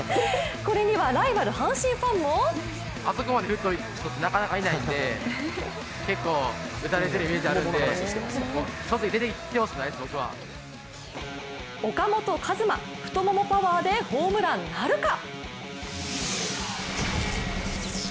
これにはライバル・阪神ファンも岡本和真、太ももパワーでホームランなるか？